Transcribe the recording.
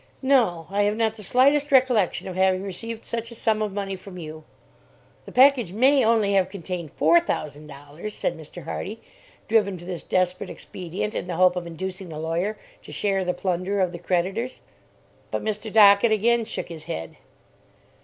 "No, I have not the slightest recollection of having received such a sum of money from you." "The package may only have contained four thousand dollars," said Mr. Hardy, driven to this desperate expedient in the hope of inducing the lawyer to share the plunder of the creditors. But Mr. Dockett again shook his head.